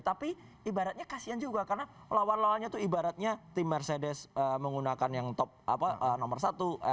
tapi ibaratnya kasian juga karena lawan lawannya itu ibaratnya tim mercedes menggunakan yang top nomor satu